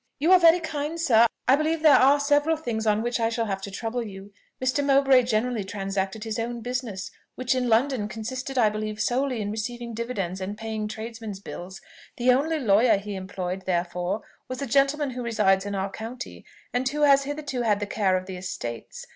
"You are very kind, sir. I believe there are several things on which I shall have to trouble you. Mr. Mowbray generally transacted his own business, which in London consisted, I believe, solely in receiving dividends and paying tradesmen's bills: the only lawyer he employed, therefore, was a gentleman who resides in our county, and who has hitherto had the care of the estates.